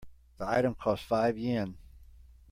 The item costs five Yen.